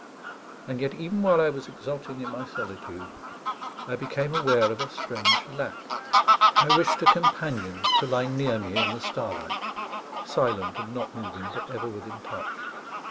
And yet even while I was exulting in my solitude I became aware of a strange lack. I wished a companion to lie near me in the starlight, silent and not moving, but ever within touch.